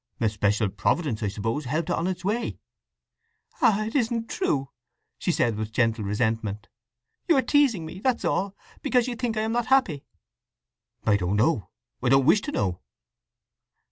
"A special Providence, I suppose, helped it on its way." "Ah—it isn't true!" she said with gentle resentment. "You are teasing me—that's all—because you think I am not happy!" "I don't know. I don't wish to know."